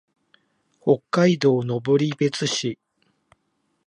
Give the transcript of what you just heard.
北海道登別市